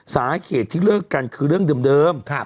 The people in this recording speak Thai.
สาเหตุที่เลิกกันคือเรื่องเดิม